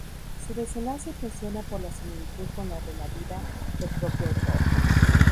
Su desenlace impresiona por la similitud con la de la vida del propio autor.